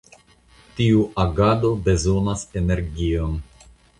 Tiu agado bezonas energion.